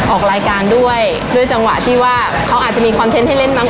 ออกรายการด้วยด้วยจังหวะที่ว่าเขาอาจจะมีคอนเทนต์ให้เล่นบ้าง